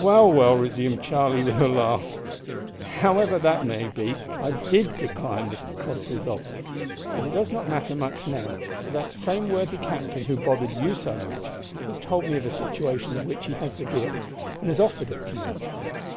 "Well, well," resumed Charlie, with a laugh, "however that may be, I did decline Mr Crossley's offers, but it does not matter much now, for that same worthy captain who bothered you so much has told me of a situation of which he has the gift, and has offered it to me."